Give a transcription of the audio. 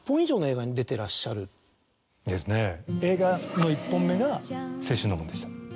映画の１本目が『青春の門』でした。